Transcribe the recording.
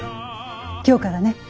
今日からね。